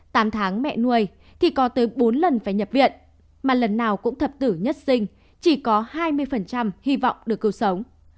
tám tháng mẹ nuôi thì có tới bốn lần phải nhập viện mà lần nào cũng thập tử nhất sinh chỉ có hai mươi hy vọng được cứu sống